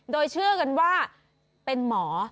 โดยเชื่อกันว่าเป็นหมอ